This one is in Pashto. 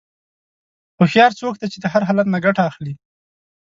هوښیار څوک دی چې د هر حالت نه ګټه اخلي.